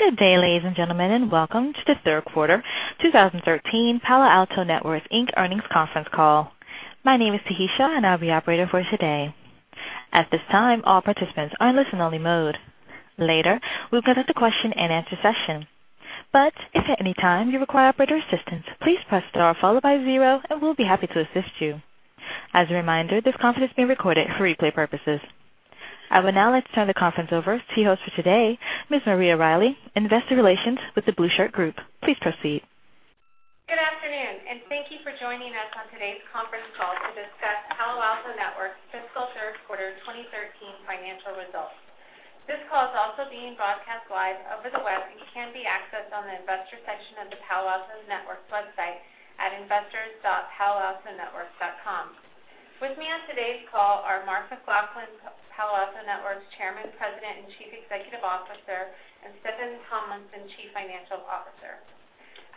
Good day, ladies and gentlemen, and welcome to the third quarter 2013 Palo Alto Networks Inc. earnings conference call. My name is Tahisha, and I'll be operating for today. At this time, all participants are in listen only mode. Later, we'll conduct a question and answer session. If at any time you require operator assistance, please press star followed by zero and we'll be happy to assist you. As a reminder, this conference is being recorded for replay purposes. I would now like to turn the conference over to the host for today, Ms. Maria Riley, Investor Relations with The Blueshirt Group. Please proceed. Good afternoon, and thank you for joining us on today's conference call to discuss Palo Alto Networks' fiscal third quarter 2013 financial results. This call is also being broadcast live over the web and can be accessed on the investor section of the Palo Alto Networks website at investors.paloaltonetworks.com. With me on today's call are Mark McLaughlin, Palo Alto Networks Chairman, President, and Chief Executive Officer, and Steffan Tomlinson, Chief Financial Officer.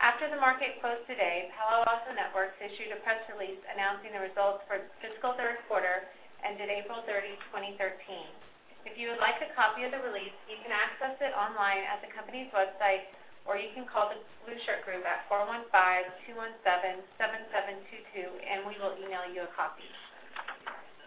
After the market closed today, Palo Alto Networks issued a press release announcing the results for its fiscal third quarter ended April 30, 2013. If you would like a copy of the release, you can access it online at the company's website, or you can call The Blueshirt Group at 415-217-7722, and we will email you a copy.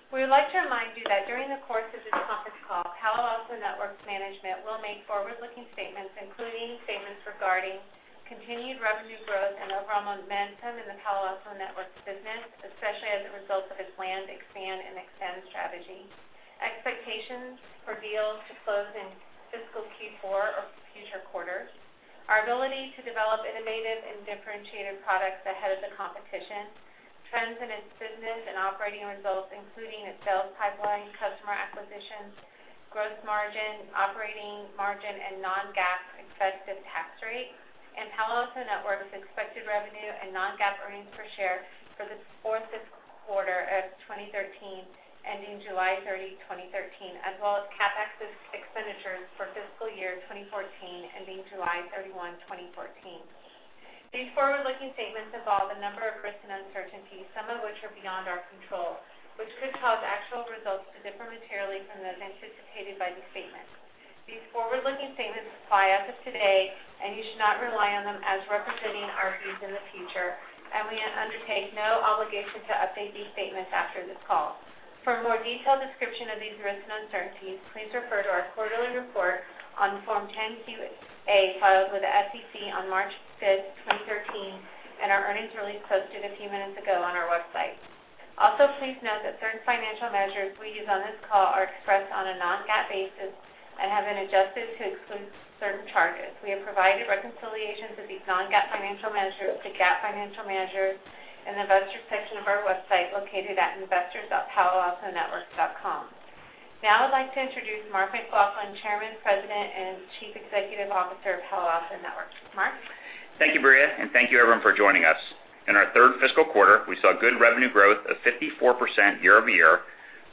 We would like to remind you that during the course of this conference call, Palo Alto Networks management will make forward-looking statements, including statements regarding continued revenue growth and overall momentum in the Palo Alto Networks business, especially as a result of its land, expand and extend strategy. Expectations for deals to close in fiscal Q4 or future quarters. Our ability to develop innovative and differentiated products ahead of the competition. Trends in its business and operating results, including its sales pipeline, customer acquisitions, gross margin, operating margin, and non-GAAP effective tax rate. Palo Alto Networks expected revenue and non-GAAP earnings per share for the fourth quarter of 2013, ending July 30, 2013, as well as CapEx expenditures for fiscal year 2014, ending July 31, 2014. These forward-looking statements involve a number of risks and uncertainties, some of which are beyond our control, which could cause actual results to differ materially from those anticipated by these statements. These forward-looking statements apply as of today, and you should not rely on them as representing our views in the future, and we undertake no obligation to update these statements after this call. For a more detailed description of these risks and uncertainties, please refer to our quarterly report on Form 10-Q filed with the SEC on March 5th, 2013, and our earnings release posted a few minutes ago on our website. Also, please note that certain financial measures we use on this call are expressed on a non-GAAP basis and have been adjusted to exclude certain charges. We have provided reconciliations of these non-GAAP financial measures to GAAP financial measures in the investor section of our website located at investors.paloaltonetworks.com. Now I'd like to introduce Mark McLaughlin, Chairman, President, and Chief Executive Officer of Palo Alto Networks. Mark. Thank you, Maria, and thank you everyone for joining us. In our third fiscal quarter, we saw good revenue growth of 54% year-over-year,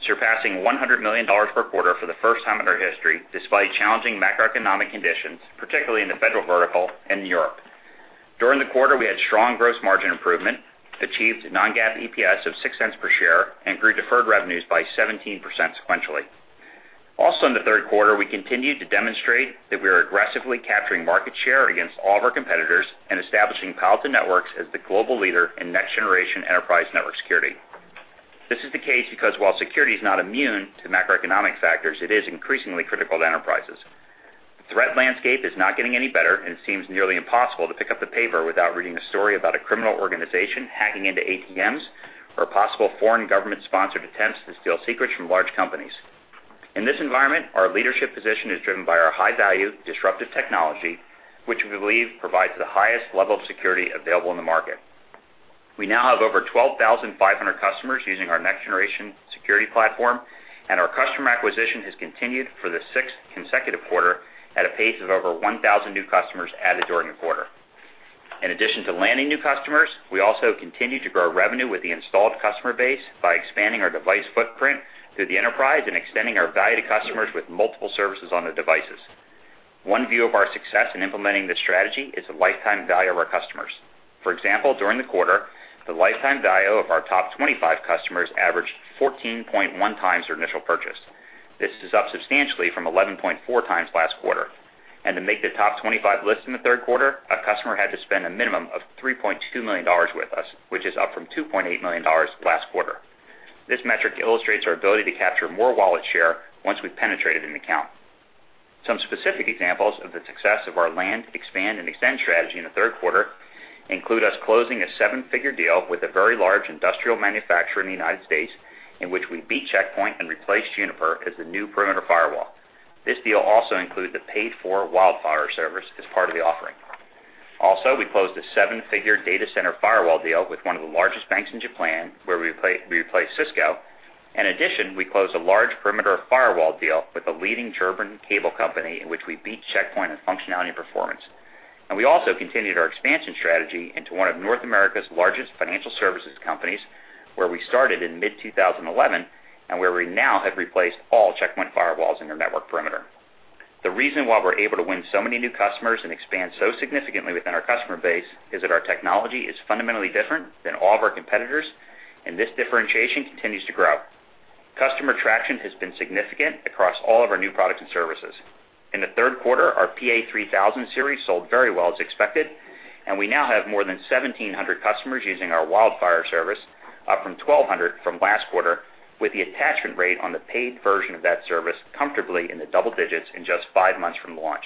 surpassing $100 million per quarter for the first time in our history, despite challenging macroeconomic conditions, particularly in the federal vertical and Europe. During the quarter, we had strong gross margin improvement, achieved non-GAAP EPS of $0.06 per share, and grew deferred revenues by 17% sequentially. Also in the third quarter, we continued to demonstrate that we are aggressively capturing market share against all of our competitors and establishing Palo Alto Networks as the global leader in next generation enterprise network security. This is the case because while security is not immune to macroeconomic factors, it is increasingly critical to enterprises. The threat landscape is not getting any better, it seems nearly impossible to pick up the paper without reading a story about a criminal organization hacking into ATMs or possible foreign government-sponsored attempts to steal secrets from large companies. In this environment, our leadership position is driven by our high-value disruptive technology, which we believe provides the highest level of security available in the market. We now have over 12,500 customers using our next generation security platform, our customer acquisition has continued for the sixth consecutive quarter at a pace of over 1,000 new customers added during the quarter. In addition to landing new customers, we also continue to grow revenue with the installed customer base by expanding our device footprint through the enterprise and extending our value to customers with multiple services on their devices. One view of our success in implementing this strategy is the lifetime value of our customers. For example, during the quarter, the lifetime value of our top 25 customers averaged 14.1 times their initial purchase. This is up substantially from 11.4 times last quarter. To make the top 25 list in the third quarter, a customer had to spend a minimum of $3.2 million with us, which is up from $2.8 million last quarter. This metric illustrates our ability to capture more wallet share once we've penetrated an account. Some specific examples of the success of our land, expand, and extend strategy in the third quarter include us closing a seven-figure deal with a very large industrial manufacturer in the U.S., in which we beat Check Point and replaced Juniper as the new perimeter firewall. This deal also includes a paid-for WildFire service as part of the offering. We closed a seven-figure data center firewall deal with one of the largest banks in Japan, where we replaced Cisco. We closed a large perimeter firewall deal with a leading German cable company in which we beat Check Point on functionality and performance. We also continued our expansion strategy into one of North America's largest financial services companies, where we started in mid-2011 and where we now have replaced all Check Point firewalls in their network perimeter. The reason why we're able to win so many new customers and expand so significantly within our customer base is that our technology is fundamentally different than all of our competitors, and this differentiation continues to grow. Customer traction has been significant across all of our new products and services. In the third quarter, our PA-3000 Series sold very well as expected, and we now have more than 1,700 customers using our WildFire service, up from 1,200 from last quarter, with the attachment rate on the paid version of that service comfortably in the double digits in just five months from launch.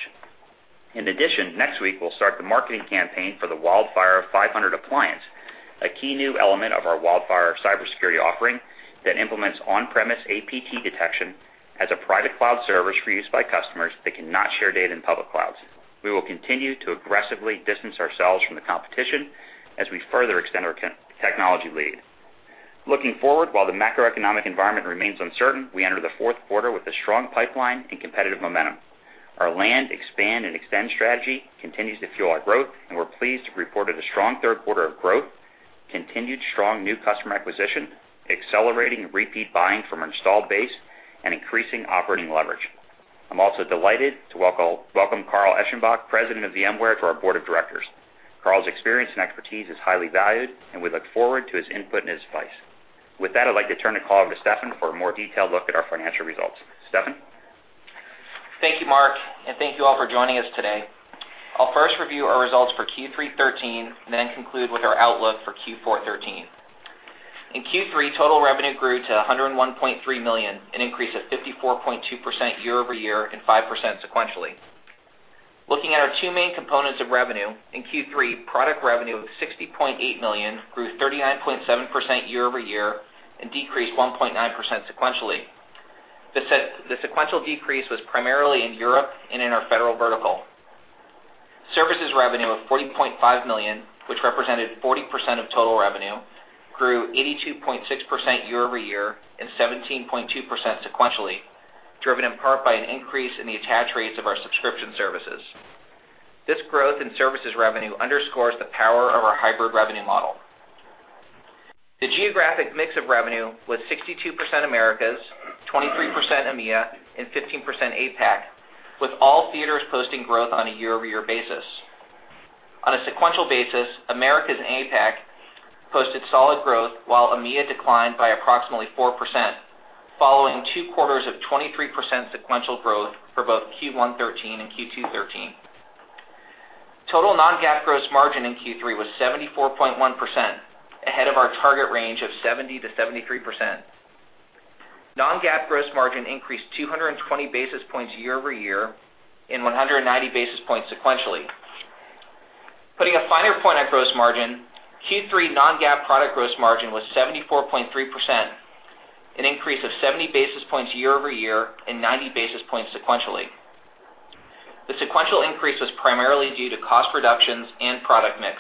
Next week we'll start the marketing campaign for the WildFire WF-500 appliance, a key new element of our WildFire cybersecurity offering that implements on-premise APT detection as a private cloud service for use by customers that cannot share data in public clouds. We will continue to aggressively distance ourselves from the competition as we further extend our technology lead. Looking forward, while the macroeconomic environment remains uncertain, we enter the fourth quarter with a strong pipeline and competitive momentum. Our land, expand, and extend strategy continues to fuel our growth. We're pleased to report a strong third quarter of growth, continued strong new customer acquisition, accelerating repeat buying from our installed base, and increasing operating leverage. I'm also delighted to welcome Carl Eschenbach, President of VMware, to our board of directors. Carl's experience and expertise is highly valued, and we look forward to his input and his advice. With that, I'd like to turn the call over to Steffan for a more detailed look at our financial results. Steffan? Thank you, Mark. Thank you all for joining us today. I'll first review our results for Q3 2013, then conclude with our outlook for Q4 2013. In Q3, total revenue grew to $101.3 million, an increase of 54.2% year-over-year and 5% sequentially. Looking at our two main components of revenue in Q3, product revenue of $60.8 million grew 39.7% year-over-year and decreased 1.9% sequentially. The sequential decrease was primarily in Europe and in our federal vertical. Services revenue of $40.5 million, which represented 40% of total revenue, grew 82.6% year-over-year and 17.2% sequentially, driven in part by an increase in the attach rates of our subscription services. This growth in services revenue underscores the power of our hybrid revenue model. The geographic mix of revenue was 62% Americas, 23% EMEA, and 15% APAC, with all theaters posting growth on a year-over-year basis. On a sequential basis, Americas and APAC posted solid growth while EMEA declined by approximately 4%, following two quarters of 23% sequential growth for both Q1 2013 and Q2 2013. Total non-GAAP gross margin in Q3 was 74.1%, ahead of our target range of 70%-73%. Non-GAAP gross margin increased 220 basis points year-over-year and 190 basis points sequentially. Putting a finer point on gross margin, Q3 non-GAAP product gross margin was 74.3%, an increase of 70 basis points year-over-year and 90 basis points sequentially. The sequential increase was primarily due to cost reductions and product mix.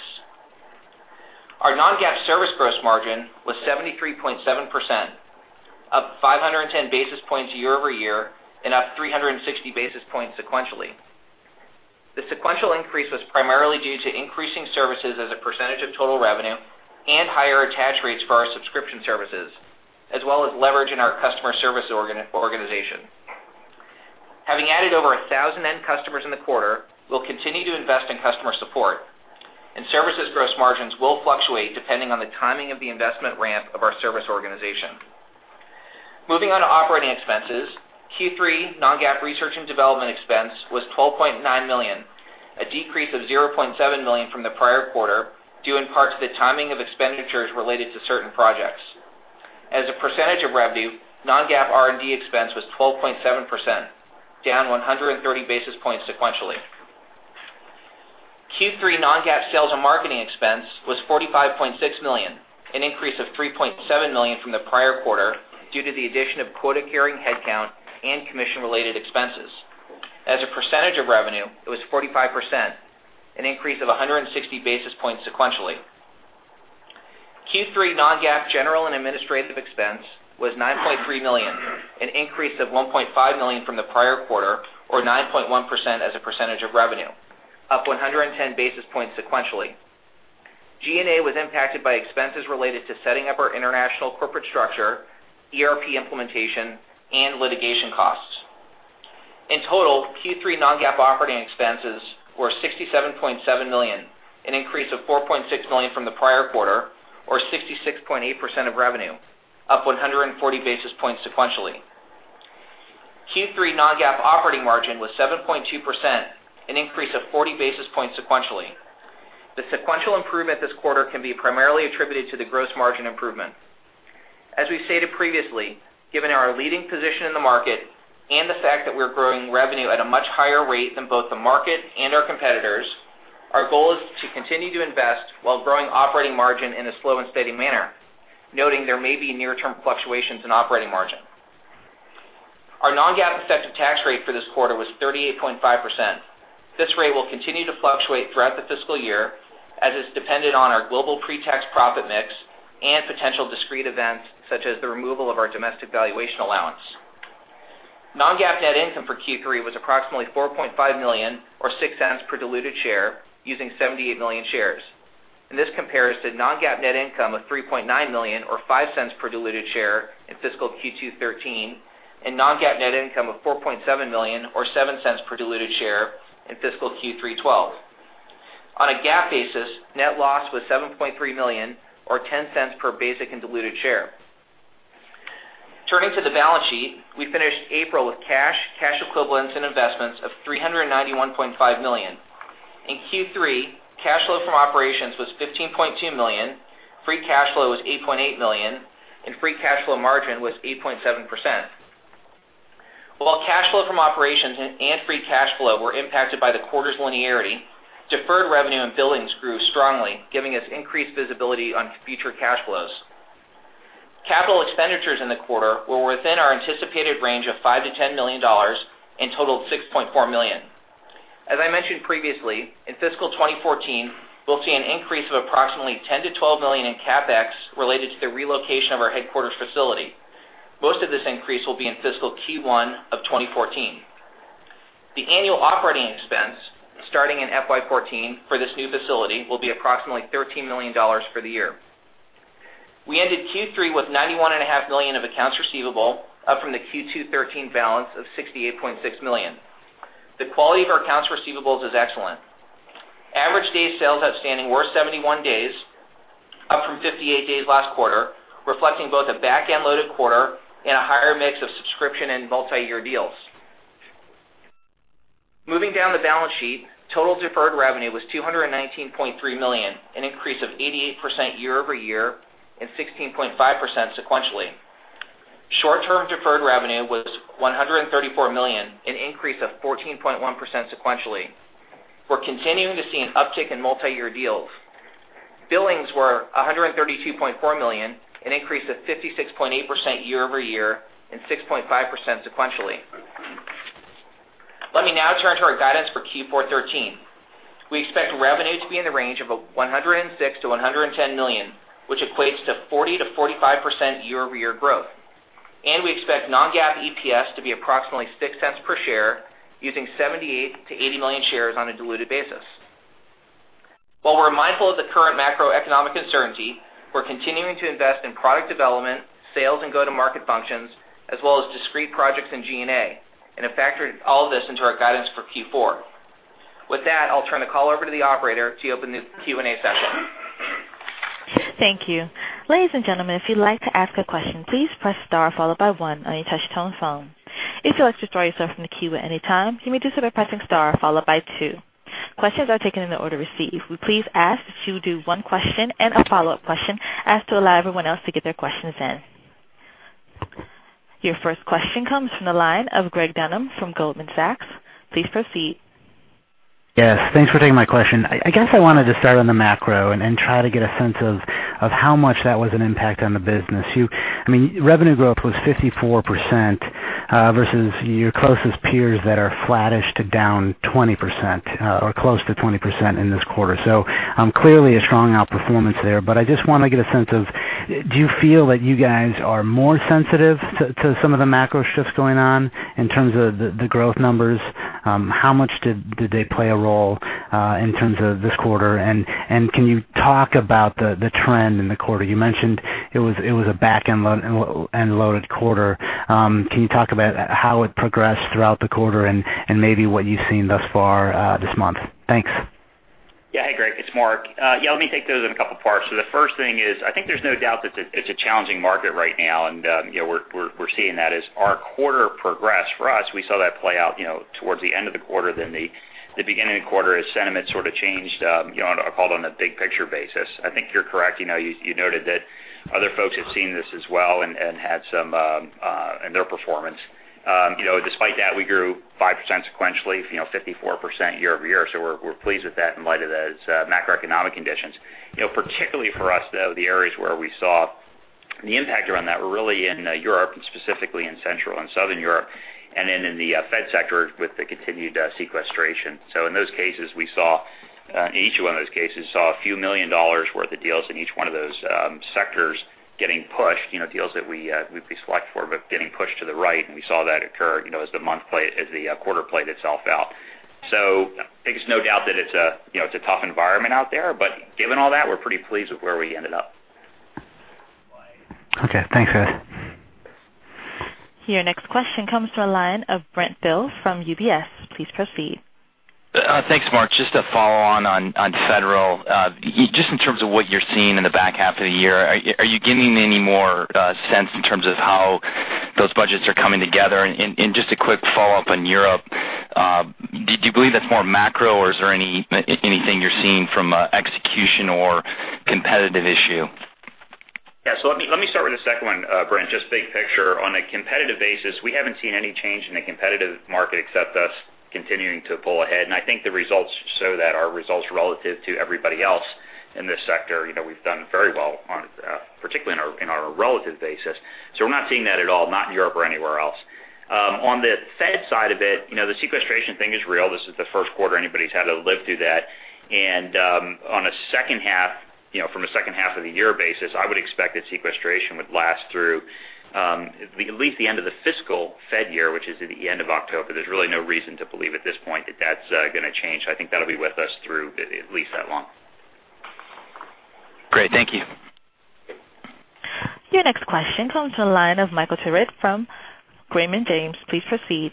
Our non-GAAP service gross margin was 73.7%, up 510 basis points year-over-year and up 360 basis points sequentially. The sequential increase was primarily due to increasing services as a percentage of total revenue and higher attach rates for our subscription services, as well as leverage in our customer service organization. Having added over 1,000 end customers in the quarter, we'll continue to invest in customer support, and services gross margins will fluctuate depending on the timing of the investment ramp of our service organization. Moving on to operating expenses, Q3 non-GAAP research and development expense was $12.9 million, a decrease of $0.7 million from the prior quarter due in part to the timing of expenditures related to certain projects. As a percentage of revenue, non-GAAP R&D expense was 12.7%, down 130 basis points sequentially. Q3 non-GAAP sales and marketing expense was $45.6 million, an increase of $3.7 million from the prior quarter due to the addition of quota-carrying headcount and commission-related expenses. As a percentage of revenue, it was 45%, an increase of 160 basis points sequentially. Q3 non-GAAP general and administrative expense was $9.3 million, an increase of $1.5 million from the prior quarter or 9.1% as a percentage of revenue, up 110 basis points sequentially. G&A was impacted by expenses related to setting up our international corporate structure, ERP implementation, and litigation costs. In total, Q3 non-GAAP operating expenses were $67.7 million, an increase of $4.6 million from the prior quarter or 66.8% of revenue, up 140 basis points sequentially. Q3 non-GAAP operating margin was 7.2%, an increase of 40 basis points sequentially. The sequential improvement this quarter can be primarily attributed to the gross margin improvement. As we stated previously, given our leading position in the market and the fact that we're growing revenue at a much higher rate than both the market and our competitors, our goal is to continue to invest while growing operating margin in a slow and steady manner, noting there may be near-term fluctuations in operating margin. Our non-GAAP effective tax rate for this quarter was 38.5%. This rate will continue to fluctuate throughout the fiscal year, as it's dependent on our global pre-tax profit mix and potential discrete events such as the removal of our domestic valuation allowance. Non-GAAP net income for Q3 was approximately $4.5 million or $0.06 per diluted share using 78 million shares. This compares to non-GAAP net income of $3.9 million or $0.05 per diluted share in fiscal Q2 2013, and non-GAAP net income of $4.7 million or $0.07 per diluted share in fiscal Q3 2012. On a GAAP basis, net loss was $7.3 million or $0.10 per basic and diluted share. Turning to the balance sheet, we finished April with cash equivalents, and investments of $391.5 million. In Q3, cash flow from operations was $15.2 million, free cash flow was $8.8 million, and free cash flow margin was 8.7%. While cash flow from operations and free cash flow were impacted by the quarter's linearity, deferred revenue and billings grew strongly, giving us increased visibility on future cash flows. Capital expenditures in the quarter were within our anticipated range of $5 million-$10 million and totaled $6.4 million. As I mentioned previously, in fiscal 2014, we'll see an increase of approximately $10 million-$12 million in CapEx related to the relocation of our headquarters facility. Most of this increase will be in fiscal Q1 of 2014. The annual operating expense starting in FY 2014 for this new facility will be approximately $13 million for the year. We ended Q3 with $91.5 million of accounts receivable, up from the Q2 2013 balance of $68.6 million. The quality of our accounts receivables is excellent. Average days sales outstanding were 71 days, up from 58 days last quarter, reflecting both a backend loaded quarter and a higher mix of subscription and multi-year deals. Moving down the balance sheet, total deferred revenue was $219.3 million, an increase of 88% year-over-year and 16.5% sequentially. Short-term deferred revenue was $134 million, an increase of 14.1% sequentially. We're continuing to see an uptick in multi-year deals. Billings were $132.4 million, an increase of 56.8% year-over-year and 6.5% sequentially. Let me now turn to our guidance for Q4 2013. We expect revenue to be in the range of $106 million-$110 million, which equates to 40%-45% year-over-year growth, and we expect non-GAAP EPS to be approximately $0.06 per share using 78 million-80 million shares on a diluted basis. While we're mindful of the current macroeconomic uncertainty, we're continuing to invest in product development, sales, and go-to-market functions, as well as discrete projects in G&A and have factored all of this into our guidance for Q4. With that, I'll turn the call over to the operator to open the Q&A session. Thank you. Ladies and gentlemen, if you'd like to ask a question, please press star followed by one on your touch-tone phone. If you'd like to withdraw yourself from the queue at any time, you may do so by pressing star followed by two. Questions are taken in the order received. We please ask that you do one question and a follow-up question as to allow everyone else to get their questions in. Your first question comes from the line of Greg Dunham from Goldman Sachs. Please proceed. Yes, thanks for taking my question. I guess I wanted to start on the macro and try to get a sense of how much that was an impact on the business. Revenue growth was 54%, versus your closest peers that are flattish to down 20% or close to 20% in this quarter. Clearly a strong outperformance there, but I just want to get a sense of, do you feel that you guys are more sensitive to some of the macro shifts going on in terms of the growth numbers? How much did they play a role in terms of this quarter? Can you talk about the trend in the quarter? You mentioned it was a back-end loaded quarter. Can you talk about how it progressed throughout the quarter and maybe what you've seen thus far this month? Thanks. Yeah. Hey, Gregg. It's Mark. Yeah, let me take those in a couple parts. The first thing is, I think there's no doubt that it's a challenging market right now, and we're seeing that as our quarter progressed. For us, we saw that play out towards the end of the quarter than the beginning of the quarter as sentiment sort of changed on a big-picture basis. I think you're correct. You noted that other folks had seen this as well in their performance. Despite that, we grew 5% sequentially, 54% year-over-year. We're pleased with that in light of those macroeconomic conditions. Particularly for us, though, the areas where we saw the impact around that were really in Europe, and specifically in Central and Southern Europe, and then in the Fed sector with the continued sequestration. In each one of those cases, we saw a few million dollars worth of deals in each one of those sectors getting pushed, deals that we pre-select for but getting pushed to the right, and we saw that occur as the quarter played itself out. I think it's no doubt that it's a tough environment out there, but given all that, we're pretty pleased with where we ended up. Okay, thanks. Your next question comes from the line of Brent Thill from UBS. Please proceed. Thanks, Mark. Just a follow-on on federal. Just in terms of what you're seeing in the back half of the year, are you getting any more sense in terms of how those budgets are coming together? And just a quick follow-up on Europe. Do you believe that's more macro, or is there anything you're seeing from an execution or competitive issue? Yeah, let me start with the second one, Brent. Just big picture. On a competitive basis, we haven't seen any change in the competitive market except us continuing to pull ahead, and I think the results show that. Our results relative to everybody else in this sector, we've done very well, particularly on a relative basis. We're not seeing that at all, not in Europe or anywhere else. On the Fed side of it, the sequestration thing is real. This is the first quarter anybody's had to live through that. From a second half of the year basis, I would expect that sequestration would last through at least the end of the fiscal Fed year, which is at the end of October. There's really no reason to believe at this point that that's going to change. I think that'll be with us through at least that long. Great. Thank you. Your next question comes on the line of Michael Turits from Raymond James. Please proceed.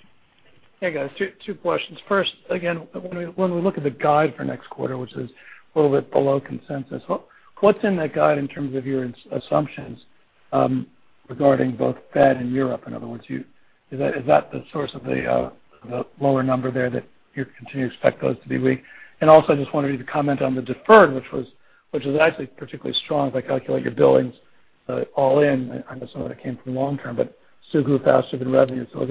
Hey, guys. Two questions. First, again, when we look at the guide for next quarter, which is a little bit below consensus, what's in that guide in terms of your assumptions regarding both Fed and Europe? In other words, is that the source of the lower number there, that you continue to expect those to be weak? Also, I just wanted you to comment on the deferred, which was actually particularly strong if I calculate your billings all in. I know some of it came from long-term, it still grew faster than revenue. Were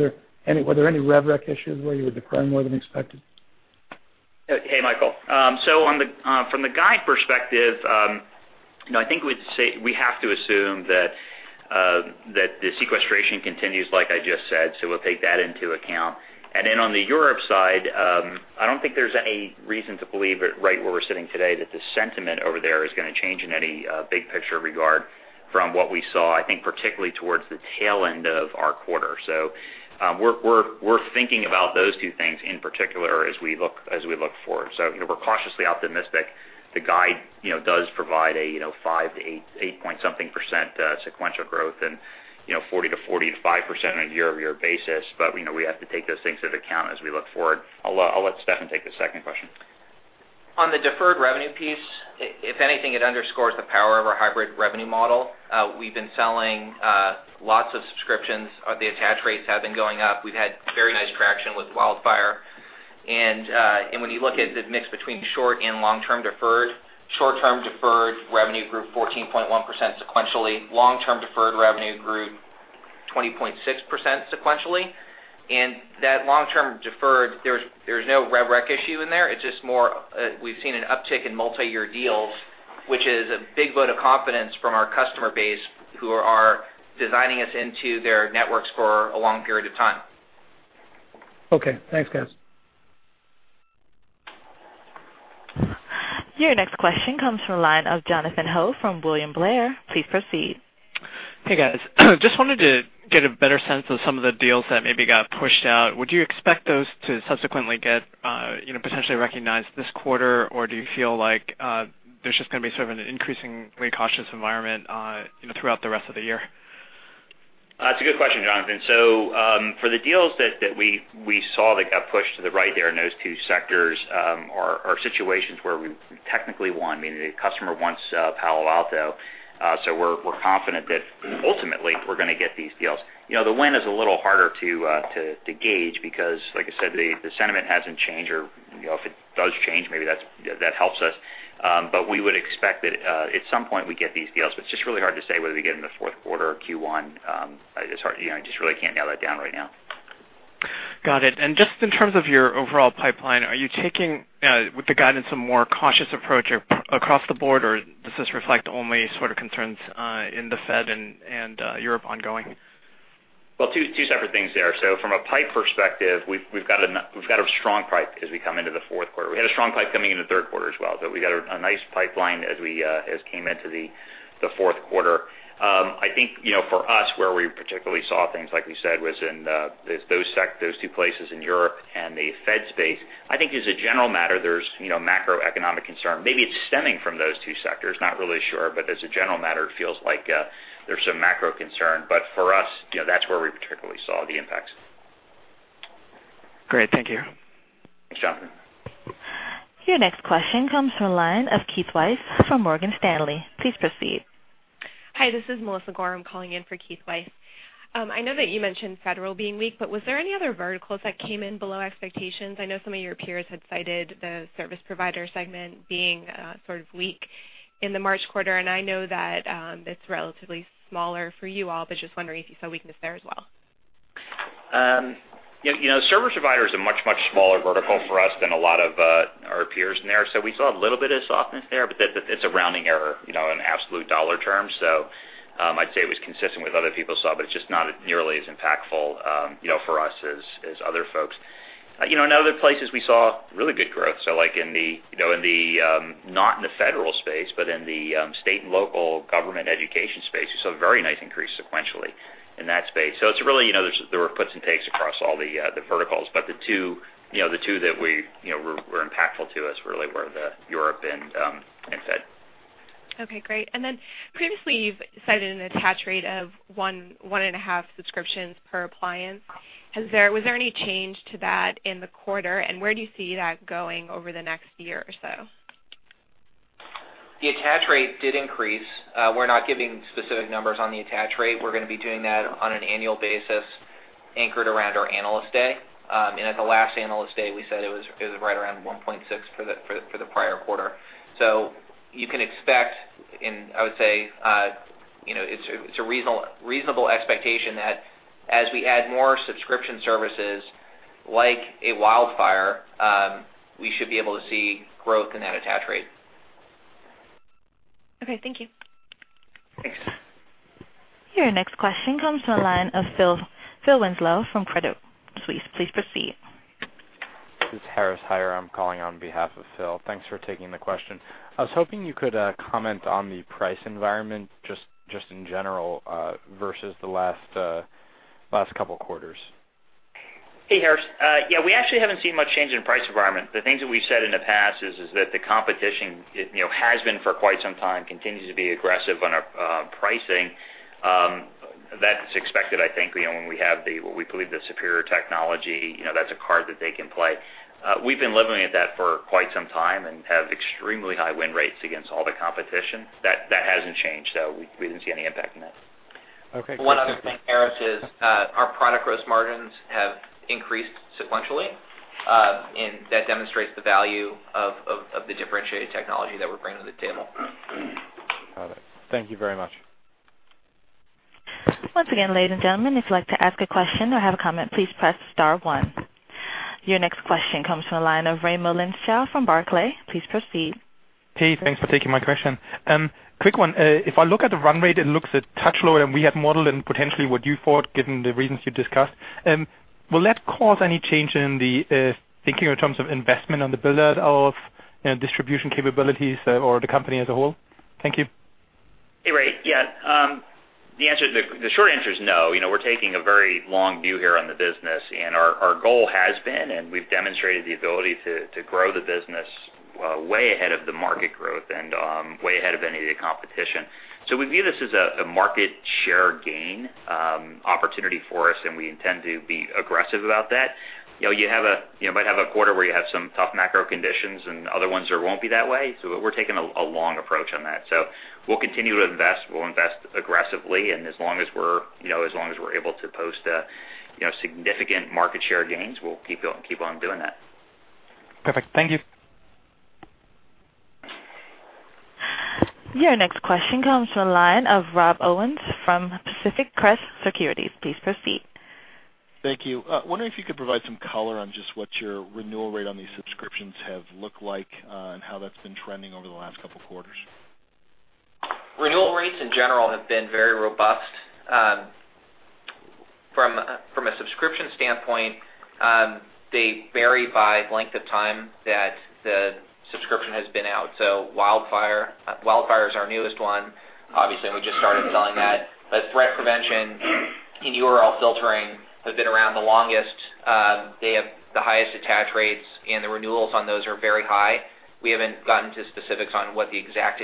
there any rev rec issues where you were deferring more than expected? Hey, Michael. From the guide perspective, I think we'd say we have to assume that the sequestration continues, like I just said. We'll take that into account. On the Europe side, I don't think there's any reason to believe it right where we're sitting today, that the sentiment over there is going to change in any big picture regard from what we saw, I think, particularly towards the tail end of our quarter. We're thinking about those two things in particular as we look forward. We're cautiously optimistic. The guide does provide a 5% to 8 point something percent sequential growth and 40%-45% on a year-over-year basis. We have to take those things into account as we look forward. I'll let Steffan take the second question. On the deferred revenue piece, if anything, it underscores the power of our hybrid revenue model. We've been selling lots of subscriptions. The attach rates have been going up. We've had very nice traction with WildFire, when you look at the mix between short and long-term deferred, short-term deferred revenue grew 14.1% sequentially. Long-term deferred revenue grew 20.6% sequentially. That long-term deferred, there's no rev rec issue in there. It's just more we've seen an uptick in multi-year deals, which is a big vote of confidence from our customer base who are designing us into their networks for a long period of time. Okay, thanks, guys. Your next question comes from the line of Jonathan Ho from William Blair. Please proceed. Hey, guys. Just wanted to get a better sense of some of the deals that maybe got pushed out. Would you expect those to subsequently get potentially recognized this quarter? Or do you feel like there's just going to be sort of an increasingly cautious environment throughout the rest of the year? That's a good question, Jonathan. For the deals that we saw that got pushed to the right there in those two sectors are situations where we technically won, meaning the customer wants Palo Alto. We're confident that ultimately we're going to get these deals. The win is a little harder to gauge because, like I said, the sentiment hasn't changed, or if it does change, maybe that helps us. We would expect that at some point we get these deals, but it's just really hard to say whether we get them in the fourth quarter or Q1. I just really can't nail that down right now. Got it. Just in terms of your overall pipeline, are you taking with the guidance a more cautious approach across the board, or does this reflect only sort of concerns in the Fed and Europe ongoing? Two separate things there. From a pipe perspective, we've got a strong pipe as we come into the fourth quarter. We had a strong pipe coming into the third quarter as well. We got a nice pipeline as came into the fourth quarter. I think for us, where we particularly saw things, like we said, was in those two places in Europe and the Fed space. I think as a general matter, there's macroeconomic concern. Maybe it's stemming from those two sectors, not really sure, but as a general matter, it feels like there's some macro concern. For us, that's where we particularly saw the impacts. Great. Thank you. Thanks, Jonathan. Your next question comes from the line of Keith Weiss from Morgan Stanley. Please proceed. Hi, this is Melissa Gorham calling in for Keith Weiss. I know that you mentioned Federal being weak, but was there any other verticals that came in below expectations? I know some of your peers had cited the service provider segment being sort of weak in the March quarter, and I know that it's relatively smaller for you all, but just wondering if you saw weakness there as well. Service provider is a much, much smaller vertical for us than a lot of our peers in there. We saw a little bit of softness there, but it's a rounding error in absolute dollar terms. I'd say it was consistent with what other people saw, but it's just not nearly as impactful for us as other folks. In other places, we saw really good growth. Like not in the Federal space, but in the State and Local Government Education space, we saw a very nice increase sequentially in that space. There were puts and takes across all the verticals, but the two that were impactful to us really were Europe and Fed. Okay, great. Then previously, you've cited an attach rate of one and a half subscriptions per appliance. Was there any change to that in the quarter, and where do you see that going over the next year or so? The attach rate did increase. We're not giving specific numbers on the attach rate. We're going to be doing that on an annual basis anchored around our Analyst Day. At the last Analyst Day, we said it was right around 1.6 for the prior quarter. You can expect in, I would say, it's a reasonable expectation that as we add more subscription services like a WildFire, we should be able to see growth in that attach rate. Okay, thank you. Thanks. Your next question comes from the line of Philip Winslow from Credit Suisse. Please proceed. This is Harris Heyer. I'm calling on behalf of Phil. Thanks for taking the question. I was hoping you could comment on the price environment just in general versus the last couple of quarters. Hey, Harris. We actually haven't seen much change in price environment. The things that we've said in the past is that the competition has been for quite some time, continues to be aggressive on our pricing. That's expected, I think, when we have what we believe the superior technology, that's a card that they can play. We've been living with that for quite some time and have extremely high win rates against all the competition. That hasn't changed. We didn't see any impact in that. Okay. One other thing, Harris, is our product gross margins have increased sequentially. That demonstrates the value of the differentiated technology that we're bringing to the table. Got it. Thank you very much. Once again, ladies and gentlemen, if you'd like to ask a question or have a comment, please press star 1. Your next question comes from the line of Raimo Lenschow from Barclays. Please proceed. Hey, thanks for taking my question. Quick one. If I look at the run rate, it looks a touch lower than we had modeled and potentially what you thought, given the reasons you discussed. Will that cause any change in the thinking in terms of investment on the build-out of distribution capabilities or the company as a whole? Thank you. Hey, Raimo. Yeah. The short answer is no. We're taking a very long view here on the business. Our goal has been, we've demonstrated the ability to grow the business way ahead of the market growth and way ahead of any of the competition. We view this as a market share gain opportunity for us, and we intend to be aggressive about that. You might have a quarter where you have some tough macro conditions and other ones there won't be that way. We're taking a long approach on that. We'll continue to invest, we'll invest aggressively, and as long as we're able to post significant market share gains, we'll keep on doing that. Perfect. Thank you. Your next question comes from the line of Rob Owens from Pacific Crest Securities. Please proceed. Thank you. Wondering if you could provide some color on just what your renewal rate on these subscriptions have looked like and how that's been trending over the last couple of quarters. Renewal rates, in general, have been very robust. From a subscription standpoint, they vary by length of time that the subscription has been out. WildFire is our newest one. Obviously, we just started selling that. Threat Prevention and URL Filtering have been around the longest. They have the highest attach rates, and the renewals on those are very high. We haven't gotten to specifics on what the exact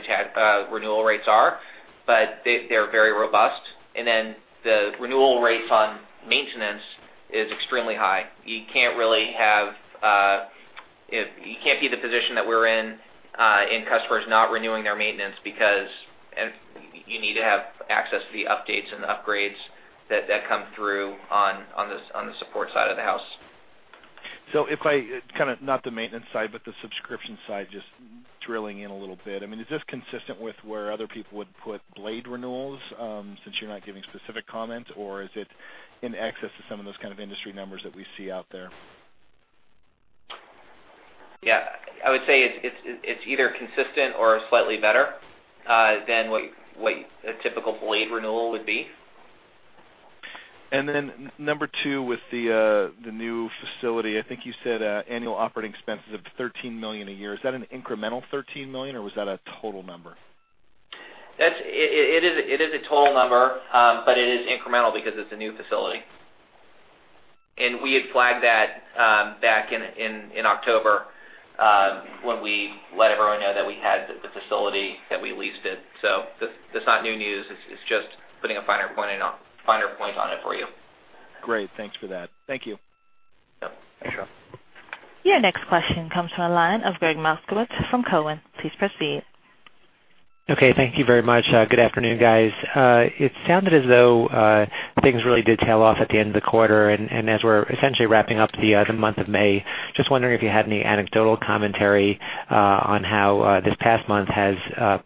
renewal rates are, but they're very robust. The renewal rates on maintenance is extremely high. You can't be in the position that we're in and customers not renewing their maintenance because you need to have access to the updates and the upgrades that come through on the support side of the house. Not the maintenance side, but the subscription side, just drilling in a little bit. Is this consistent with where other people would put blade renewals, since you're not giving specific comments, or is it in excess of some of those kind of industry numbers that we see out there? Yeah. I would say it's either consistent or slightly better than what a typical blade renewal would be. Number two, with the new facility, I think you said annual operating expenses of $13 million a year. Is that an incremental $13 million, or was that a total number? It is a total number, but it is incremental because it's a new facility. We had flagged that back in October, when we let everyone know that we had the facility that we leased it. That's not new news. It's just putting a finer point on it for you. Great. Thanks for that. Thank you. Yeah. Sure. Your next question comes from the line of Gregg Moskowitz from Cowen. Please proceed. Okay. Thank you very much. Good afternoon, guys. It sounded as though things really did tail off at the end of the quarter. As we're essentially wrapping up the month of May, just wondering if you had any anecdotal commentary on how this past month has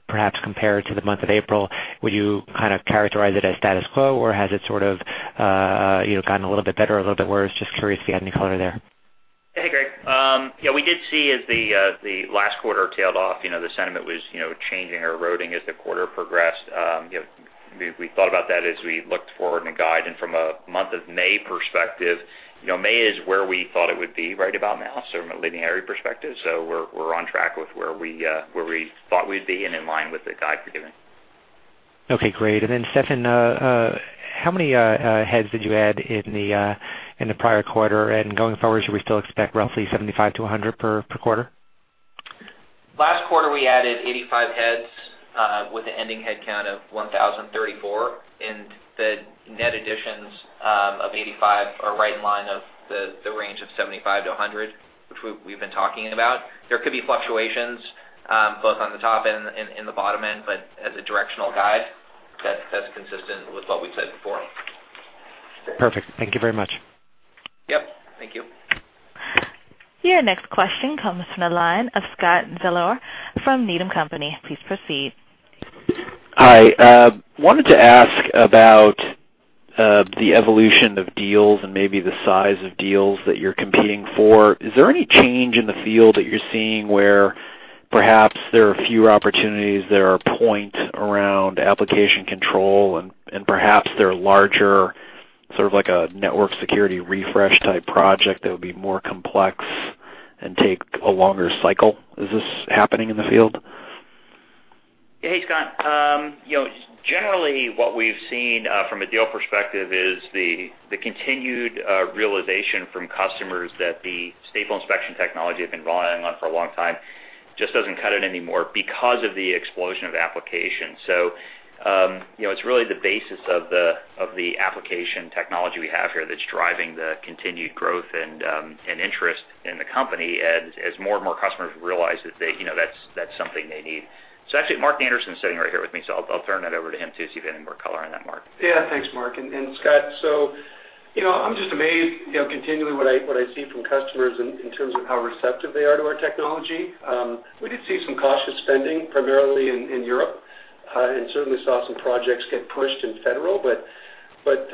perhaps compared to the month of April. Would you characterize it as status quo, or has it sort of gotten a little bit better, a little bit worse? Just curious if you had any color there. Hey, Gregg. We did see as the last quarter tailed off, the sentiment was changing or eroding as the quarter progressed. We thought about that as we looked forward in the guide. From a month of May perspective, May is where we thought it would be right about now, so from a linear perspective. We're on track with where we thought we'd be and in line with the guide we're giving. Okay, great. Then Steffan, how many heads did you add in the prior quarter? Going forward, should we still expect roughly 75 to 100 per quarter? Last quarter, we added 85 heads with an ending head count of 1,034. The net additions of 85 are right in line of the range of 75 to 100, which we've been talking about. There could be fluctuations, both on the top and in the bottom end, but as a directional guide, that's consistent with what we've said before. Perfect. Thank you very much. Yep. Thank you. Your next question comes from the line of Scott Zeller from Needham & Company. Please proceed. Hi. Wanted to ask about the evolution of deals and maybe the size of deals that you're competing for. Is there any change in the field that you're seeing where perhaps there are fewer opportunities, there are points around application control, and perhaps there are larger sort of like a network security refresh type project that would be more complex and take a longer cycle? Is this happening in the field? Hey, Scott. Generally, what we've seen from a deal perspective is the continued realization from customers that the stateful inspection technology they've been relying on for a long time just doesn't cut it anymore because of the explosion of applications. It's really the basis of the application technology we have here that's driving the continued growth and interest in the company as more and more customers realize that that's something they need. Actually, Mark Anderson is sitting right here with me, I'll turn that over to him too, see if he has any more color on that, Mark. Yeah. Thanks, Mark and Scott. I'm just amazed continually what I see from customers in terms of how receptive they are to our technology. We did see some cautious spending, primarily in Europe, and certainly saw some projects get pushed in federal.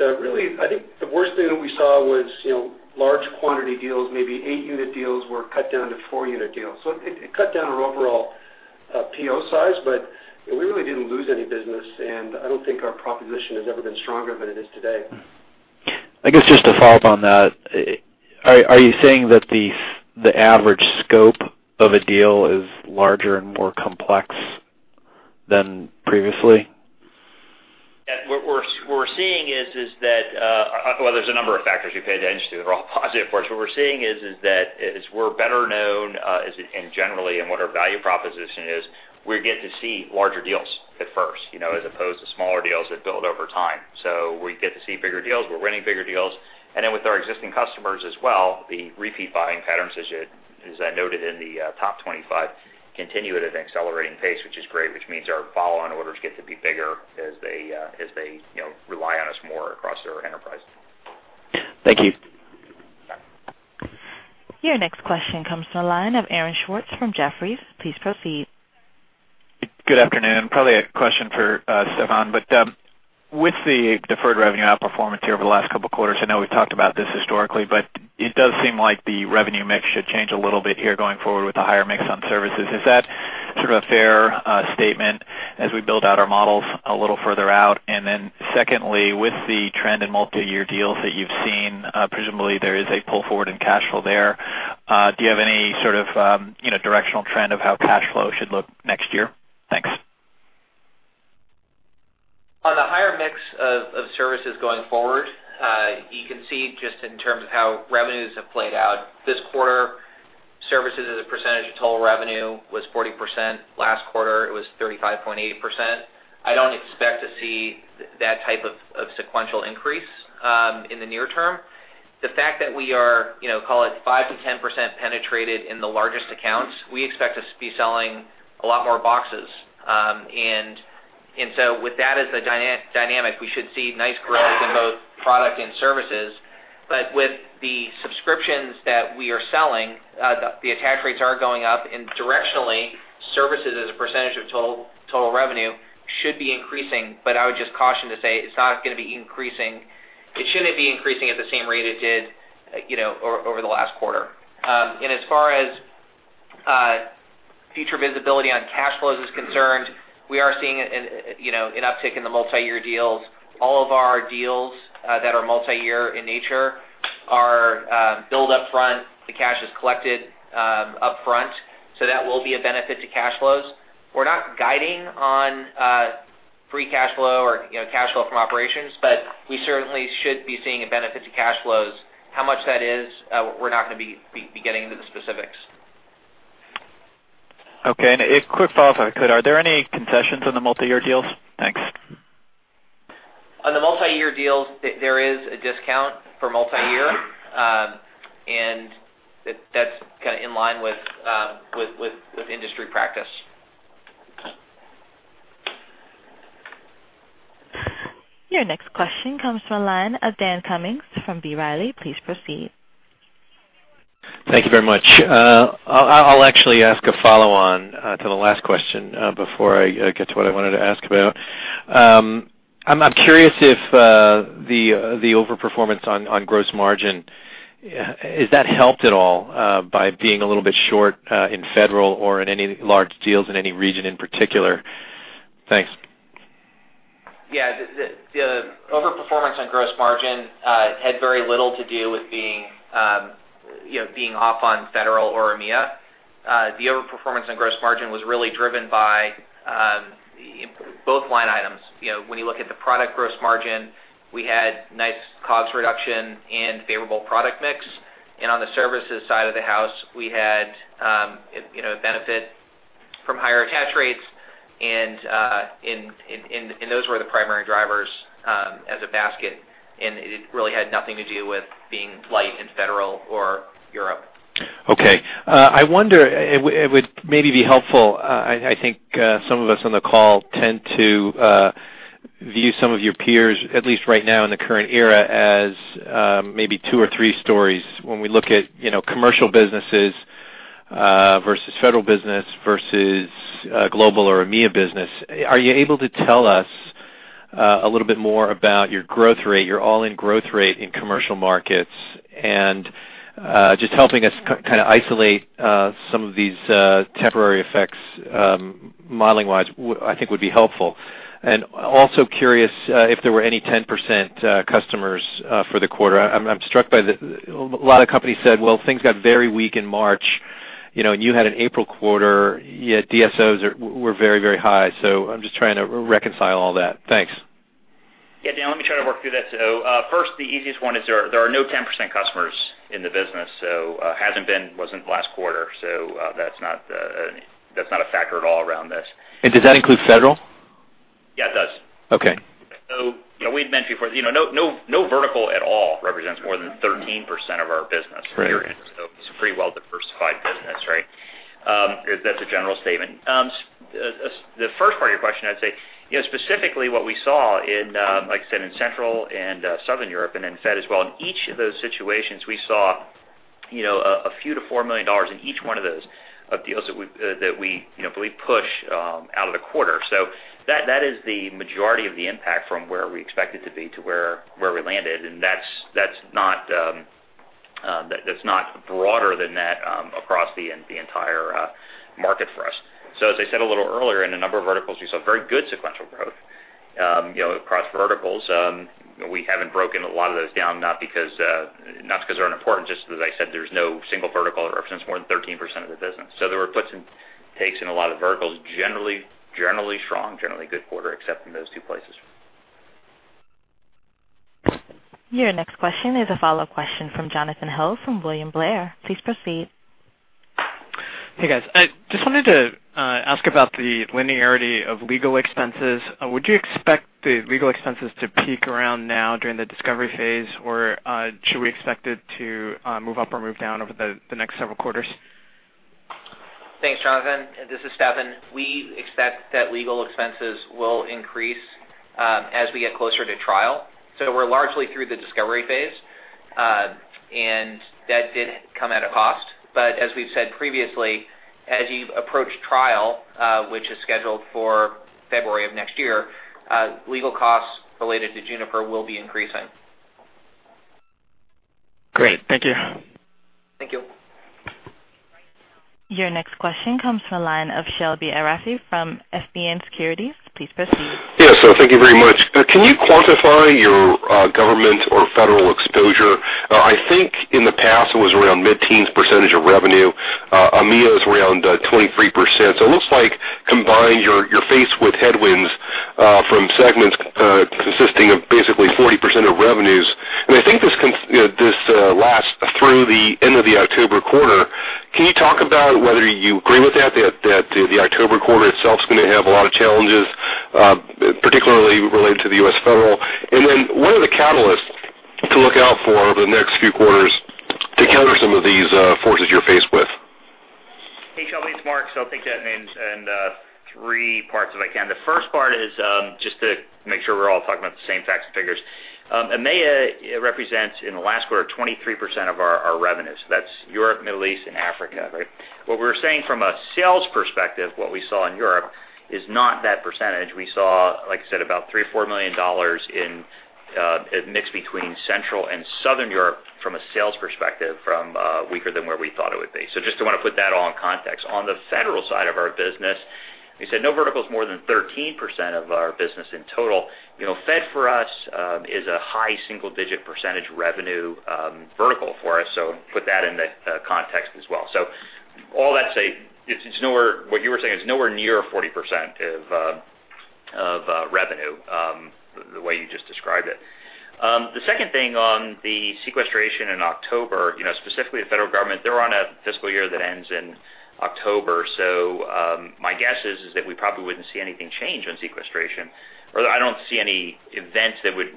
Really, I think the worst thing that we saw was large quantity deals, maybe 8-unit deals were cut down to 4-unit deals. It cut down our overall PO size, but we really didn't lose any business, and I don't think our proposition has ever been stronger than it is today. I guess just to follow up on that, are you saying that the average scope of a deal is larger and more complex than previously? What we're seeing is that there's a number of factors you could attribute, they're all positive, of course. What we're seeing is that as we're better known, and generally, and what our value proposition is, we get to see larger deals at first as opposed to smaller deals that build over time. We get to see bigger deals. We're winning bigger deals. With our existing customers as well, the repeat buying patterns, as I noted in the top 25, continue at an accelerating pace, which is great, which means our follow-on orders get to be bigger as they rely on us more across their enterprise. Thank you. Your next question comes from the line of Aaron Schwartz from Jefferies. Please proceed. Good afternoon. Probably a question for Steffan. With the deferred revenue outperformance here over the last couple of quarters, I know we've talked about this historically, but it does seem like the revenue mix should change a little bit here going forward with the higher mix on services. Is that sort of a fair statement as we build out our models a little further out? Secondly, with the trend in multi-year deals that you've seen, presumably there is a pull forward in cash flow there. Do you have any sort of directional trend of how cash flow should look next year? Thanks. On the higher mix of services going forward, you can see just in terms of how revenues have played out. This quarter, services as a percentage of total revenue was 40%. Last quarter, it was 35.8%. I don't expect to see that type of sequential increase in the near term. The fact that we are, call it, 5%-10% penetrated in the largest accounts, we expect us to be selling a lot more boxes. With that as the dynamic, we should see nice growth in both product and services. With the subscriptions that we are selling, the attach rates are going up, and directionally, services as a percentage of total revenue should be increasing. I would just caution to say it shouldn't be increasing at the same rate it did over the last quarter. As far as future visibility on cash flows is concerned, we are seeing an uptick in the multi-year deals. All of our deals that are multi-year in nature are billed upfront. The cash is collected upfront. That will be a benefit to cash flows. We're not guiding on free cash flow or cash flow from operations, but we certainly should be seeing a benefit to cash flows. How much that is, we're not going to be getting into the specifics. Okay. A quick follow-up, if I could. Are there any concessions on the multi-year deals? Thanks. On the multi-year deals, there is a discount for multi-year, and that's kind of in line with industry practice. Your next question comes from the line of Dan Cummings from B. Riley. Please proceed. Thank you very much. I'll actually ask a follow-on to the last question before I get to what I wanted to ask about. I'm curious if the overperformance on gross margin, is that helped at all by being a little bit short in federal or in any large deals in any region in particular? Thanks. Yeah. The overperformance on gross margin had very little to do with being off on federal or EMEA. The overperformance on gross margin was really driven by both line items. On the services side of the house, we had a benefit from higher attach rates, and those were the primary drivers as a basket, and it really had nothing to do with being light in federal or Europe. Okay. I wonder, it would maybe be helpful, I think some of us on the call tend to view some of your peers, at least right now in the current era, as maybe two or three stories when we look at commercial businesses versus federal business versus global or EMEA business. Are you able to tell us a little bit more about your growth rate, your all-in growth rate in commercial markets? Just helping us kind of isolate some of these temporary effects modeling-wise, I think would be helpful. Also curious if there were any 10% customers for the quarter. I'm struck by a lot of companies said, well, things got very weak in March, and you had an April quarter, yet DSOs were very, very high. I'm just trying to reconcile all that. Thanks. Yeah, Dan, let me try to work through that. First, the easiest one is there are no 10% customers in the business. Hasn't been, wasn't last quarter. That's not a factor at all around this. Does that include federal? Yeah, it does. Okay. We've mentioned before, no vertical at all represents more than 13% of our business. Right. It's a pretty well-diversified business, right? That's a general statement. The first part of your question, I'd say, specifically what we saw in, like I said, in Central and Southern Europe and then fed as well. In each of those situations, we saw a few to $4 million in each one of those deals that we believe push out of the quarter. That is the majority of the impact from where we expected to be to where we landed. That's not broader than that across the entire market for us. As I said a little earlier, in a number of verticals, we saw very good sequential growth across verticals. We haven't broken a lot of those down, not because they're unimportant, just as I said, there's no single vertical that represents more than 13% of the business. There were puts and takes in a lot of verticals, generally strong, generally good quarter except in those two places. Your next question is a follow-up question from Jonathan Ho from William Blair. Please proceed. Hey, guys. I just wanted to ask about the linearity of legal expenses. Would you expect the legal expenses to peak around now during the discovery phase? Or should we expect it to move up or move down over the next several quarters? Thanks, Jonathan. This is Steffan. We expect that legal expenses will increase as we get closer to trial. We're largely through the discovery phase, and that did come at a cost. As we've said previously, as you approach trial, which is scheduled for February of next year, legal costs related to Juniper will be increasing. Great. Thank you. Thank you. Your next question comes from the line of Shebly Seyrafi from FBN Securities. Please proceed. Yeah, thank you very much. Can you quantify your government or federal exposure? I think in the past it was around mid-teens % of revenue. EMEA is around 23%. It looks like combined, you're faced with headwinds from segments consisting of basically 40% of revenues. I think this lasts through the end of the October quarter. Can you talk about whether you agree with that the October quarter itself is going to have a lot of challenges, particularly related to the U.S. federal? What are the catalysts to look out for over the next few quarters to counter some of these forces you're faced with? Hey, Shebly, it's Mark. I'll take that in three parts, if I can. The first part is, just to make sure we're all talking about the same facts and figures. EMEA represents, in the last quarter, 23% of our revenues. That's Europe, Middle East, and Africa, right? What we're saying from a sales perspective, what we saw in Europe is not that %. We saw, like I said, about $3 million or $4 million in mix between Central and Southern Europe from a sales perspective from weaker than where we thought it would be. Just want to put that all in context. On the federal side of our business, we said no vertical is more than 13% of our business in total. Fed for us is a high single-digit % revenue vertical for us, put that in the context as well. All that say, what you were saying is nowhere near 40% of revenue, the way you just described it. The second thing on the sequestration in October, specifically the federal government, they're on a fiscal year that ends in October. My guess is that we probably wouldn't see anything change on sequestration, or I don't see any events that would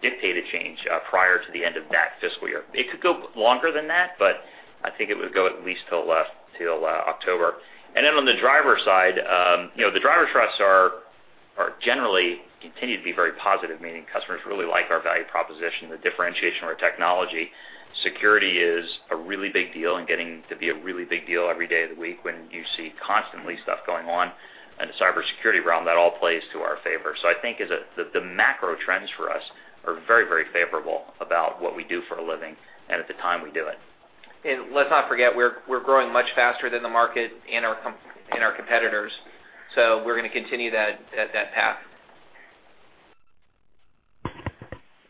dictate a change prior to the end of that fiscal year. It could go longer than that, but I think it would go at least till October. On the driver side, the drivers for us are generally continue to be very positive, meaning customers really like our value proposition, the differentiation of our technology. Security is a really big deal and getting to be a really big deal every day of the week when you see constantly stuff going on in the cybersecurity realm. That all plays to our favor. I think the macro trends for us are very favorable about what we do for a living and at the time we do it. Let's not forget, we're growing much faster than the market and our competitors. We're going to continue that path.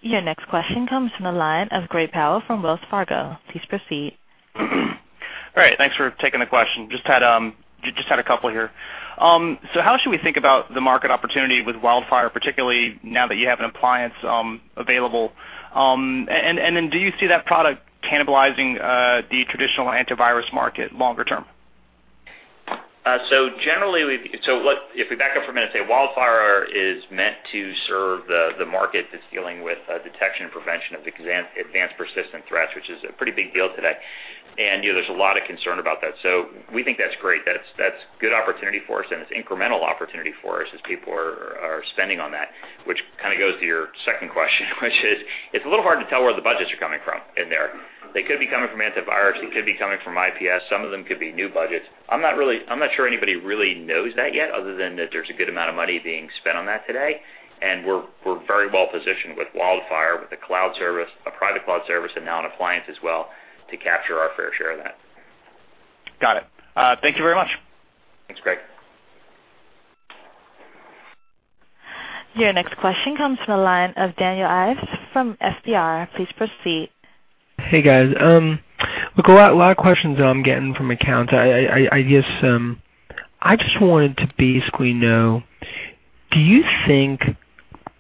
Your next question comes from the line of Gray Powell from Wells Fargo. Please proceed. All right. Thanks for taking the question. Just had a couple here. How should we think about the market opportunity with WildFire, particularly now that you have an appliance available? Do you see that product cannibalizing the traditional antivirus market longer term? If we back up for a minute, say WildFire is meant to serve the market that's dealing with detection and prevention of Advanced Persistent Threats, which is a pretty big deal today. There's a lot of concern about that. We think that's great. That's good opportunity for us, and it's incremental opportunity for us as people are spending on that, which kind of goes to your second question, which is it's a little hard to tell where the budgets are coming from in there. They could be coming from antivirus, they could be coming from IPS. Some of them could be new budgets. I'm not sure anybody really knows that yet, other than that there's a good amount of money being spent on that today, and we're very well positioned with WildFire, with a cloud service, a private cloud service, and now an appliance as well to capture our fair share of that. Got it. Thank you very much. Thanks, Gray. Your next question comes from the line of Daniel Ives from FBR. Please proceed. Hey, guys. A lot of questions I'm getting from accounts. I just wanted to basically know, do you think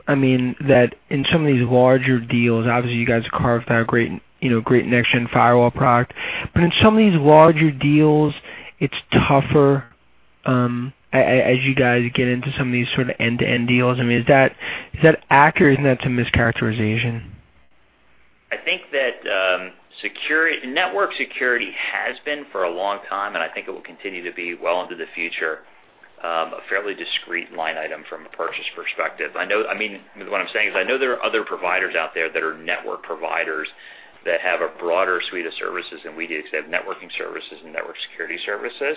that in some of these larger deals, obviously you guys have carved out a great next-gen firewall product, in some of these larger deals, it's tougher as you guys get into some of these sort of end-to-end deals? Is that accurate or is that a mischaracterization? I think that network security has been for a long time, I think it will continue to be well into the future, a fairly discreet line item from a purchase perspective. What I'm saying is I know there are other providers out there that are network providers that have a broader suite of services than we do, because they have networking services and network security services.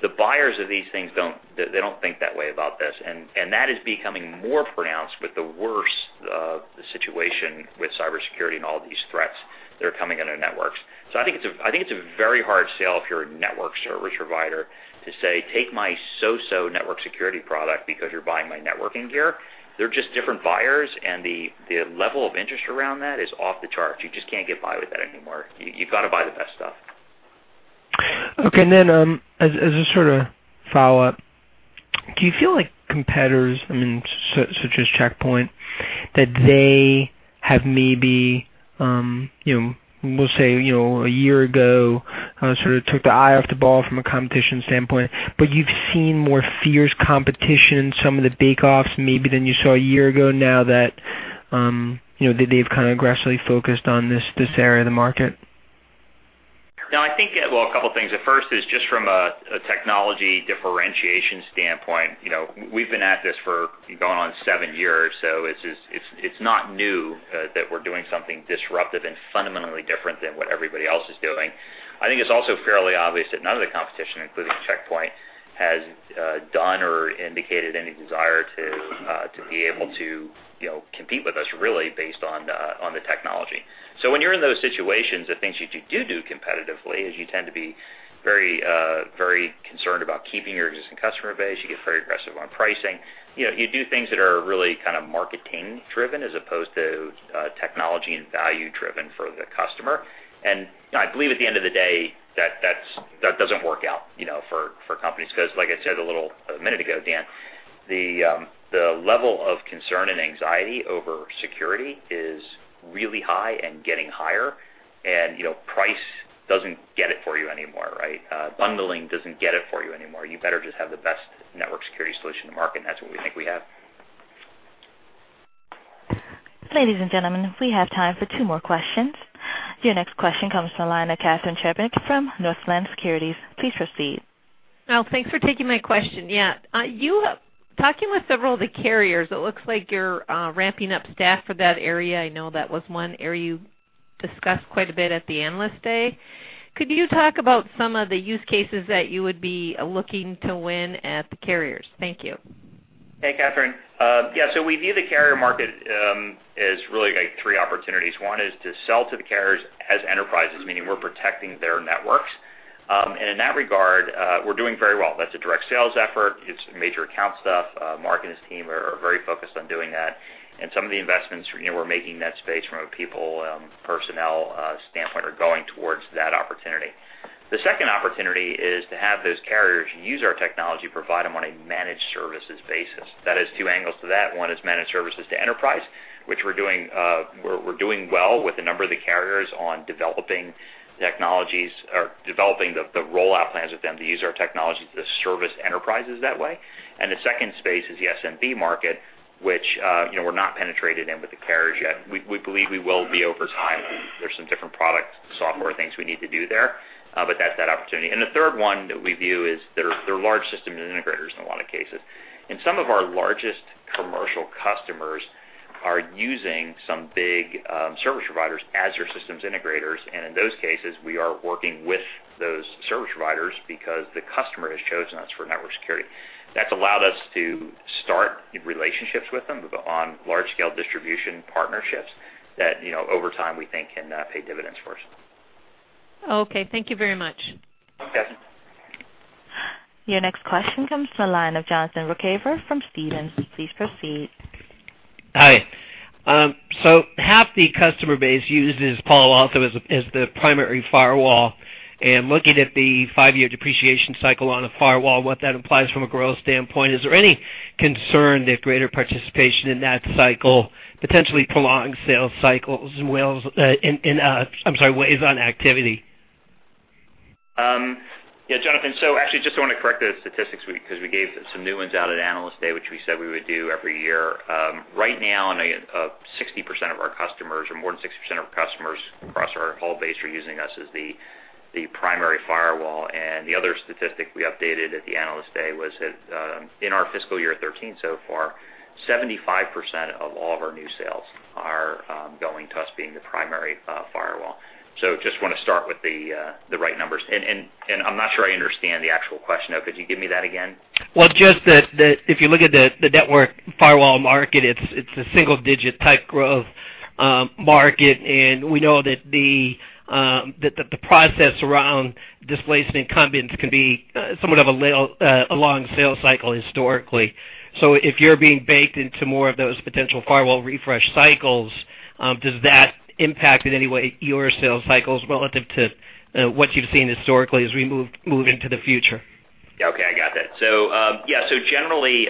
The buyers of these things, they don't think that way about this, that is becoming more pronounced with the worst of the situation with cybersecurity and all these threats that are coming into networks. I think it's a very hard sell if you're a network service provider to say, "Take my so-so network security product because you're buying my networking gear." They're just different buyers, the level of interest around that is off the charts. You just can't get by with that anymore. You've got to buy the best stuff. Okay, as a sort of follow-up, do you feel like competitors, such as Check Point, that they have maybe, we'll say a year ago, sort of took the eye off the ball from a competition standpoint, you've seen more fierce competition in some of the bake-offs maybe than you saw a year ago now that they've kind of aggressively focused on this area of the market? I think, well, a couple things. The first is just from a technology differentiation standpoint. We've been at this for going on seven years, it's not new that we're doing something disruptive and fundamentally different than what everybody else is doing. I think it's also fairly obvious that none of the competition, including Check Point, has done or indicated any desire to be able to compete with us really based on the technology. When you're in those situations, the things that you do competitively is you tend to be very concerned about keeping your existing customer base. You get very aggressive on pricing. You do things that are really kind of marketing-driven as opposed to technology and value-driven for the customer. I believe at the end of the day, that doesn't work out for companies. Like I said a minute ago, Dan, the level of concern and anxiety over security is really high and getting higher. Price doesn't get it for you anymore, right? Bundling doesn't get it for you anymore. You better just have the best network security solution to market, that's what we think we have. Ladies and gentlemen, we have time for two more questions. Your next question comes from the line of Catharine Trebnick from Northland Securities. Please proceed. Thanks for taking my question. Talking with several of the carriers, it looks like you're ramping up staff for that area. I know that was one area you discussed quite a bit at the Analyst Day. Could you talk about some of the use cases that you would be looking to win at the carriers? Thank you. Hey, Catharine. Yeah, we view the carrier market as really three opportunities. One is to sell to the carriers as enterprises, meaning we're protecting their networks. In that regard, we're doing very well. That's a direct sales effort. It's major account stuff. Mark and his team are very focused on doing that. Some of the investments we're making in that space from a people, personnel standpoint are going towards that opportunity. The second opportunity is to have those carriers use our technology, provide them on a managed services basis. That has two angles to that. One is managed services to enterprise, which we're doing well with a number of the carriers on developing the rollout plans with them to use our technology to service enterprises that way. The second space is the SMB market, which we're not penetrated in with the carriers yet. We believe we will be over time. There's some different product software things we need to do there, but that's that opportunity. The third one that we view is they're large systems and integrators in a lot of cases. Some of our largest commercial customers are using some big service providers as their systems integrators, and in those cases, we are working with those service providers because the customer has chosen us for network security. That's allowed us to start relationships with them on large-scale distribution partnerships that over time we think can pay dividends for us. Okay. Thank you very much. Okay. Your next question comes from the line of Jonathan Ruykhaver from Stephens. Please proceed. Hi. Half the customer base uses Palo Alto as the primary firewall, and looking at the 5-year depreciation cycle on a firewall and what that implies from a growth standpoint, is there any concern that greater participation in that cycle potentially prolongs sales cycles and weighs on activity? Yeah, Jonathan. Actually, just want to correct the statistics because we gave some new ones out at Analyst Day, which we said we would do every year. Right now, 60% of our customers or more than 60% of our customers across our whole base are using us as the primary firewall. The other statistic we updated at the Analyst Day was that in our fiscal year 2013 so far, 75% of all of our new sales are going to us being the primary firewall. Just want to start with the right numbers. I'm not sure I understand the actual question, though. Could you give me that again? Well, just that if you look at the network firewall market, it's a single-digit type growth market, and we know that the process around displacing incumbents can be somewhat of a long sales cycle historically. If you're being baked into more of those potential firewall refresh cycles, does that impact in any way your sales cycles relative to what you've seen historically as we move into the future? Yeah. Okay, I got that. Generally,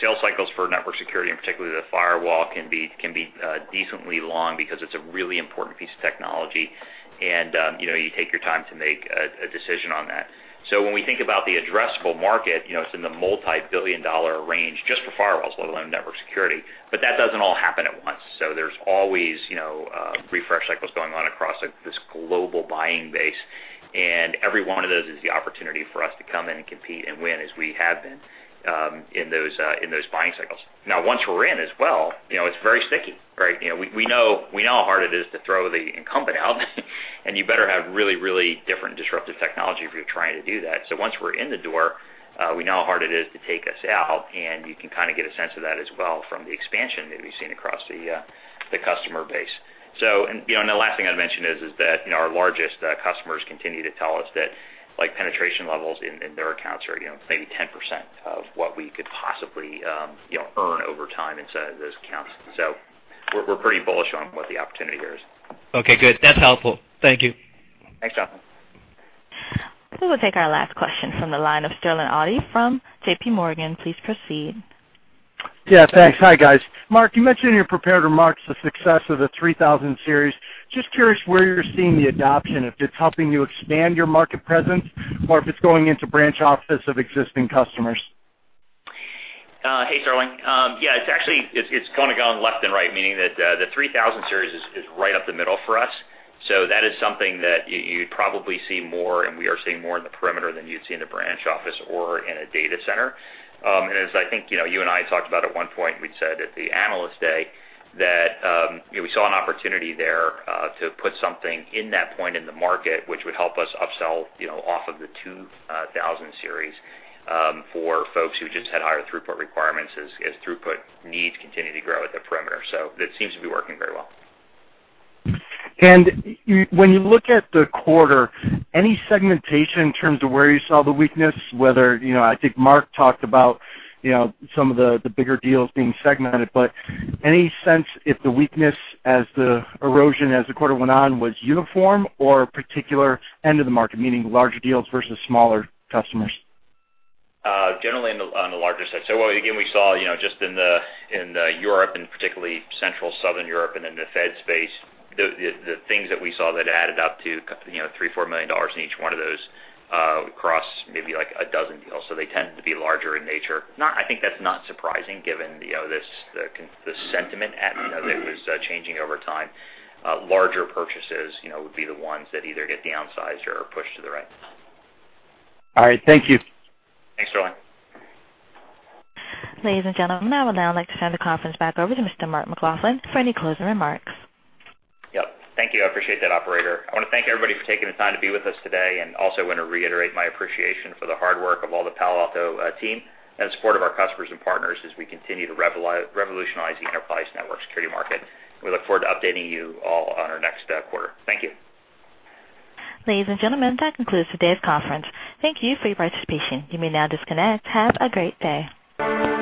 sales cycles for network security, and particularly the firewall, can be decently long because it's a really important piece of technology, and you take your time to make a decision on that. When we think about the addressable market, it's in the $multi-billion range just for firewalls, let alone network security. That doesn't all happen at once. There's always refresh cycles going on across this global buying base, and every one of those is the opportunity for us to come in and compete and win as we have been in those buying cycles. Now, once we're in as well, it's very sticky, right? We know how hard it is to throw the incumbent out, and you better have really different disruptive technology if you're trying to do that. Once we're in the door, we know how hard it is to take us out, and you can get a sense of that as well from the expansion that we've seen across the customer base. The last thing I'd mention is that our largest customers continue to tell us that penetration levels in their accounts are maybe 10% of what we could possibly earn over time inside those accounts. We're pretty bullish on what the opportunity here is. Okay, good. That's helpful. Thank you. Thanks, Jonathan. We will take our last question from the line of Sterling Auty from JPMorgan. Please proceed. Yeah, thanks. Hi, guys. Mark, you mentioned in your prepared remarks the success of the PA-3000 Series. Just curious where you're seeing the adoption, if it's helping you expand your market presence or if it's going into branch office of existing customers. Hey, Sterling. Yeah, it's actually gone left and right, meaning that the PA-3000 Series is right up the middle for us. That is something that you'd probably see more, and we are seeing more in the perimeter than you'd see in a branch office or in a data center. As I think you and I talked about at one point, we'd said at the Analyst Day that we saw an opportunity there to put something in that point in the market, which would help us upsell off of the PA-2000 Series for folks who just had higher throughput requirements as throughput needs continue to grow at the perimeter. That seems to be working very well. When you look at the quarter, any segmentation in terms of where you saw the weakness, whether, I think Mark talked about some of the bigger deals being segmented, any sense if the weakness as the erosion, as the quarter went on, was uniform or a particular end of the market, meaning larger deals versus smaller customers? Generally on the larger side. Again, we saw, just in Europe and particularly Central, Southern Europe, and then the Fed space, the things that we saw that added up to $3 million-$4 million in each one of those across maybe a dozen deals. They tended to be larger in nature. I think that's not surprising given the sentiment that was changing over time. Larger purchases would be the ones that either get downsized or pushed to the right. All right. Thank you. Thanks, Sterling. Ladies and gentlemen, I would now like to turn the conference back over to Mr. Mark McLaughlin for any closing remarks. Yep. Thank you. I appreciate that, operator. I want to thank everybody for taking the time to be with us today, and also want to reiterate my appreciation for the hard work of all the Palo Alto team and support of our customers and partners as we continue to revolutionize the enterprise network security market. We look forward to updating you all on our next quarter. Thank you. Ladies and gentlemen, that concludes today's conference. Thank you for your participation. You may now disconnect. Have a great day.